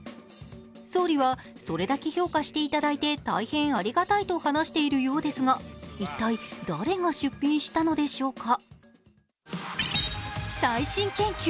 総理は、それだけ評価していただいて大変ありがたいと話しているようですが、一体誰が出品したのでしょうか。